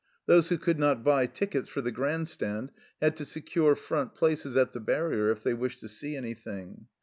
Those who could not buy tickets for the Grand Stand had to secure front places at the barrier if they wished to see anything.